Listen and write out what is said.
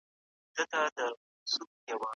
سازمانونه څنګه په محکمه کي انصاف راولي؟